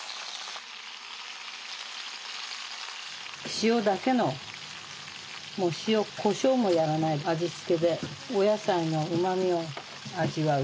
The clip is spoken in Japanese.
塩だけのもうこしょうもやらない味付けでお野菜のうまみを味わう。